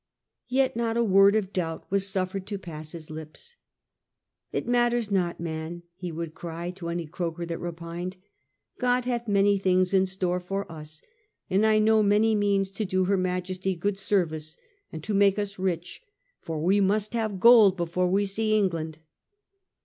Yet not a word of doubt was suffered to pass his lips. " It matters not^ man," he would cry to any croaker that repined, " God hath many things in store for us ; and I know many means to do Her Majesty good service, and to make us rich : for we must have gold before we see England."